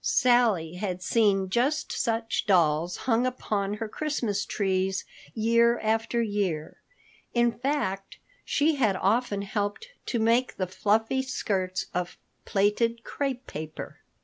Sally had seen just such dolls hung upon her Christmas trees year after year. In fact, she had often helped to make the fluffy skirts of plaited crépe paper.